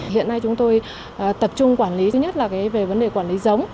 hiện nay chúng tôi tập trung quản lý thứ nhất là về vấn đề quản lý giống